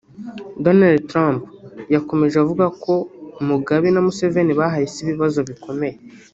Donald Trump yakomeje avuga ko ngo Mugabe na Museveni bahaye isi ibibazo bikomeye